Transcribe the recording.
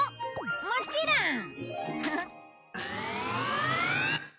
もちろん！フフッ。